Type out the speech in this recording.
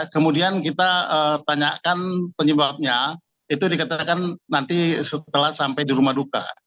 kemudian kita tanyakan penyebabnya itu dikatakan nanti setelah sampai di rumah duka